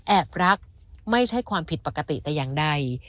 รักไม่ใช่ความผิดปกติแต่อย่างใด